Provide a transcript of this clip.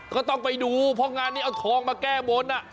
ก็ต้องไปดูเพราะงานนี้เอาทองมาแก้บน